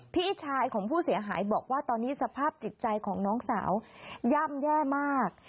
พี่ชายของผู้เสียหายบอกว่าตอนนี้สภาพจิตใจของน้องสาวย่ำแย่มาก